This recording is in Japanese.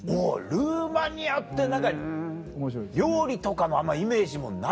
ルーマニアって何か料理とかもあんまイメージもないな。